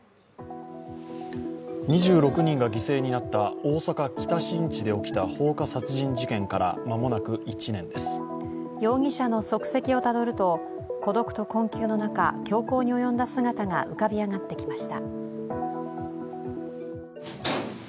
２６人が犠牲になった大阪・北新地で起きた放火殺人事件から間もなく１年です容疑者の足跡をたどると、孤独と困窮の中、凶行に及んだ姿が浮かび上がってきました。